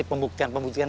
kalo di jalan jalan